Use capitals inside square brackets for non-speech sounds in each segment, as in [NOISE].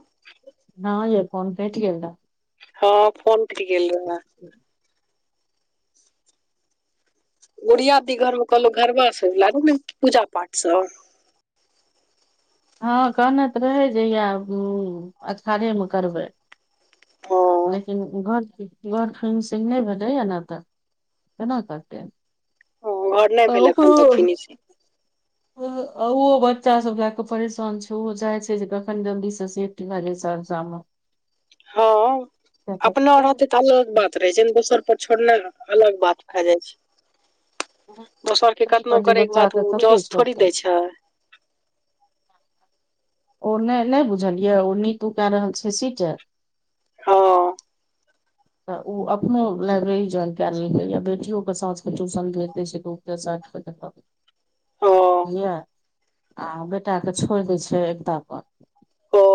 [INAUDIBLE] ना य फोन कैट गेल रहे ह फोन गेल रह गरिया दी घर मे कहलहु घरबास लागू ने पूजा पाठ सभ ह कहने तऽ रहै जहिया अषाढ़े मे करबै हँ लेकिन घर फसि नहि भेटैएा ने तऽ चना कते। ओ घर नहि भेलै खतक [INAUDIBLE] ओहो बच्चा सभ लए कऽ परेशान छै ओहो चाहे छै जे कखन जल्दी से सेफ्टी भए जाय सहरसामे ह अपने अढ़त अलग बात रहे छै ने दोसर पर छोड़ने अलग बात खा जाई छै दोसर के पत्नी कतनो पर जे करे के बच्चा बाद ओ कते जस थोड़ी छोड़तै दे छै ओ नहि नहि बुझल ये ओ नीतू कऽ रहल छै सीटे ह तऽ ओ अपनो लाइब्रेरी ज्वाइन कर लेलकै या बेटियो के साँस के ट्यूशन भेज दै छै तऽ [UNINTELLIGIBLE] बजै हँ बुझलियै आ बेटा के छोड़ि दै छै एकदा पर ओ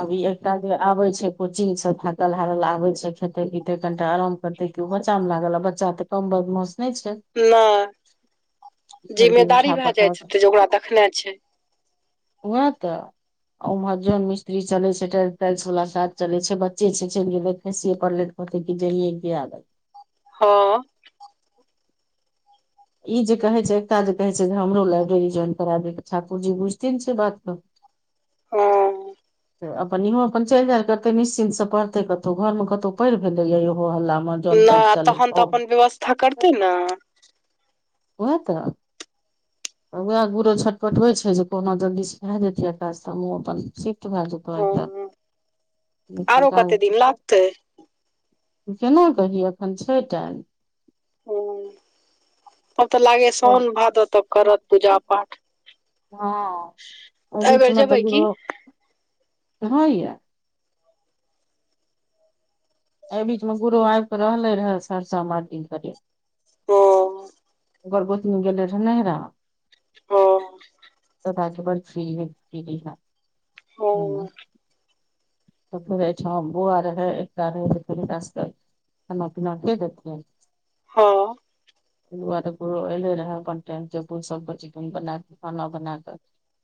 अभी एकटा जे आबे छै कोचिंग सँ थाकल हारल आबे छै खेते कते कनिटा आराम करते क बच्चा मे लागल आ बच्चा ते कम बदमाश नहि छै नहि भरि दिन जिम्मेदारी उठा भाय जाय पटा छै जे ओकरा देखने छै वहा तऽ उम्हर जोन मित्री चले छै स वाला साथ चले छै बच्चे छै पले कत कऽ जलियए भी आदत ह ई जे कहे छै एकटा जे कहे छै जे हमरो लाइब्रेरी ज्वाइन कर दे के ठाकुर जी बुझथिन से बात कऽ ह अपन इहो अपन चलि जाय कते निश्चिन्त से पढ़ते कतहु घर मे कतौ पड़ भेले यै इहो हल्ला मे जन पाठि नहि चले तहन तऽ अपन छै व्यवस्था करतै न ओहा तऽ वएह गुरो छटपटबै छै जे कोनो जल्दी सिखा जतियै काज तऽ हम अपन सँ बाजू तऽ हँ आरो कते दिन लागतै केना कही एखन छै टाइम। हू तब तऽ लागे साओन भादव तब करत पूजा पाठ हँ ओ एहि बेर बीचमे जेबै तऽ की यौ ह यए एहि बीच मे गुरु आब के रहले रहे सरसा मे करे हँ गर्वतनी गेलै रहे नहिरा ह ब फ हँ ह तऽ फेर अछि बो आर रहै एक आ रहै तऽ फेरके खाना पीना के देथि ह एले रहै अपन टाम सभ बनाक खाना बनाकऽ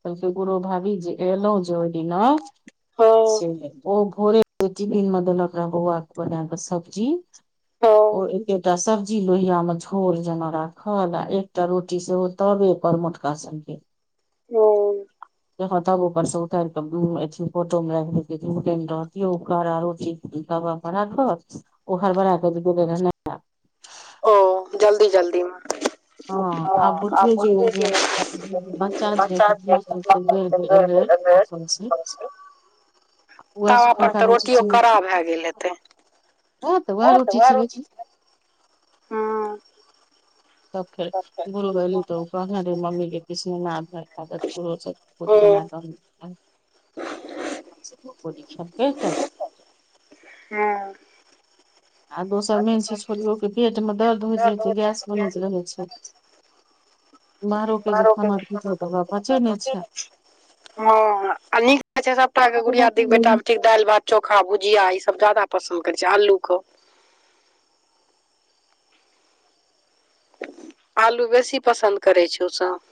कहलक करो भाभी जे एलहु जे ओहि दिना हँ से ओ भोरे चिबिन मध लकरा वघ बना कऽ सब्जी ओ हँ एकटा सब्जी लोहिया मे झोर जेना राखल आ एकटा रोटी सेहो तबे पर मोटका सभ के हू देख तब ऊपर सँ उतार के फोटो मे राखड़ बबा बग ओ हर ब रह ओ जल्दी जल्दी मे हँ आब ह बुझियौ जे बच्चा जे बेर बेर घर बेर घर उएह तब अपन सुखलका तऽ रोटिओ कड़ा भए गेल हेते ओ तऽ आर उठि छै बेजी ह तब फेर भुल गली तऽ ओ कह रे मम्मी के किीसने नै भै त पूरी हँ बना दऽ परीक्षा कऽ तऽ ह आ दोसर आर मेन छै छोरियो के पेट मे दर्द होइत रहे दो छै गैस बनैत रहे छै सभ बाहरो के जे बार खाना खेतै तऽ ओकरा पचै नहि छै [UNINTELLIGIBLE] ह नीक ल छै सभटा के गुड़िया दी बेटा बेटी दालि भात चोखा भुजिया ई सभ ज्यादा पसन्द करैत छै आलूके आलू बेसी पसन्द करैत छै ओ सभ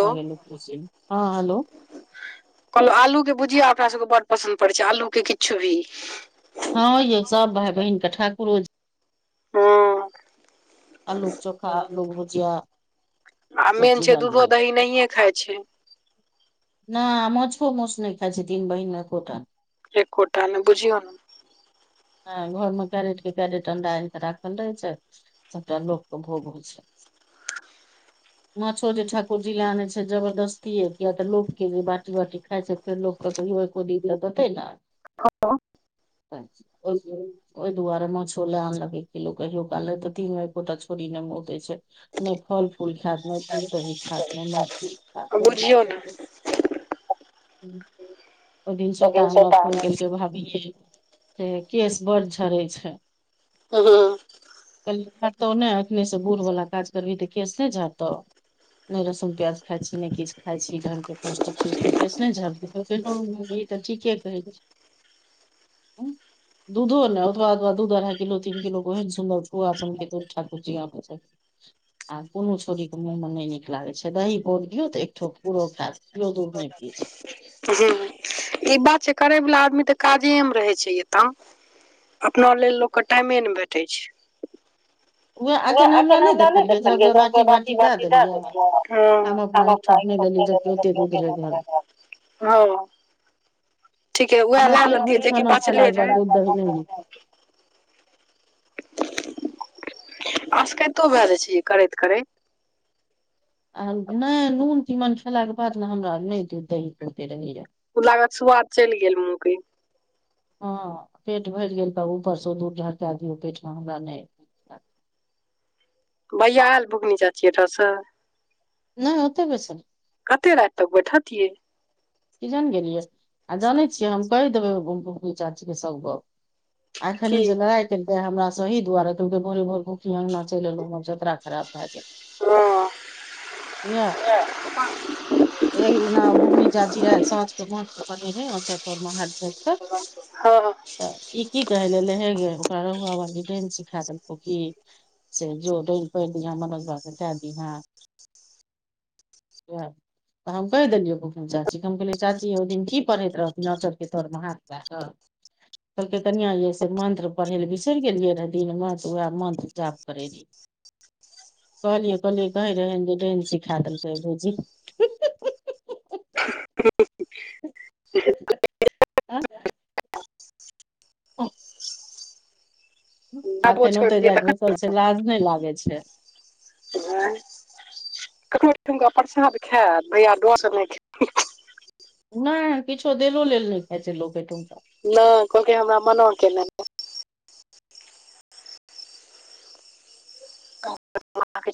भऽ गेले हँ हेलो कहलहु आलूके भुजिया अपना सभके बड पसन्द पड़ैत छै आलूके किछु भी हँ यौ सभ भाय बहिन कऽ ठाकुरो ह आ लकऽ चोखा लक भुजिया आ मेन सब्जी छै आलू दूधो दही नहि खाई छै नै मछ फो मोस नहि खा छै तन बहिन कोत! कोर्डटा बुझि गेलन। हा घर मे कैरेट के कैरेट अंडा आनि केऽ राखल रहे छै। सत लोक कऽ भोग छै, [UNINTELLIGIBLE] माछो जे ठाकुर जी ले आने छै जबरदस्ती या किया तऽ लोकोग के जे बाटी बाटी खाय छै, फर लोक तऽ य खोदी तऽ छै न ओहि दुआरे मछो लऽ आनल कऽ एक किलो कहियो कनलक तऽ तीन एक गोटा छोड़ ने मतै छै। नहि फल फूल खायत मे भऽ दही खात मे महूस? बुझियौ ने, ओ जिन सात हम फोन के भ छै सँ केस बड़ झड़े छै ह ह कहल झतौ ने एखने से बूढ़ वाला काज करबही तऽ केश नहि झड़तौ, नहि रसुन प्याज खाइ छी नहि किछु खाई छी घर के पौष्टिकिक के तऽ ठीके कहे छै दूधो ने ओथादाद दूध अधा किलो तीन किलो गे सुन्दर ठाकुरी, आ कोनो छोरी के मुँह मे नै नहि नीक लागे छै दही भोर गियो तऽ एकठो पूरो खायत। इहो दूध नहि पी, ह ई बात छै करैवला आदमी तऽ काजे मे रहै छै एतम, अपना लेलऽ लोक के टाइमे नहि भेटै छै उह एखन हमरा नहि देखलियै बी दऽ देलियै छोपने लनी तऽ क्यतर उधरे घर? हँ ठीके उएह हमरा लए पेट लेतियै भैर जेकि खाना खेला बचले के बाद रहै दूध दह नय नीक [INAUDIBLE] आसकतो भए जाइ छिय करैत करैत आ नय नून तीमन खेला के बाद ने हमरा नय दूध दही ओते रहेया ओ लागत सुआद चेल गेल मुह हँ पेट भैर गेल तऽ ऊपर से दूर ढर दियौ पेट मे हमरा नय भैय आयल भुकनी चाची ऐठ स नय ओतऽ बेस ने, कते राइत तक बैठत ये की जान गेलियै आ जानै छियै हम कैह देबै गुम चाची के सब गप एखन की ई जे लड़ाइ कैलके हमरा स यही दुआरे भोे भो अंगना चल एलो जतरा खराब भए गेल हँ अ एक दिना बुकनी ज जीरा साँझके माछ पकरनेै रहे अचार तौरमे हाथ झाइप क हँ तऽ ई की कहै लले ऐलै हे ग ओकरा रहुआ बाली डाइन सिखा देलकौ कि से जो डाइन पैड़लिह मनोजबा क कए दिह त हम कह देेलिय को चाची कम कही चाची ओ दिन की पड़ैत रहथिन अचरके तरमे हाथ दै कऽ कहलकै कनिया जे से मंत्र पढ़े ले बिसरि गेलिये रहे दिन में त वएह मंत्र जाप करे रहे [INAUDIBLE] कहलियै कहलियै कहै रहे जे डेन सिखा देलकै भउजी क [INAUDIBLE] आँ [UNINTELLIGIBLE] [INAUDIBLE] आबो अखन छोड़ि ओते दियै जाय के बैसल छै लाज नय लागे छै आय ककरो ठमनका परसाद खायत भैया डोर से नय नय किछो देलो लेल नय खाइ छै लोक एठुा, ना कहलके हमरा मना केने य [INAUDIBLE]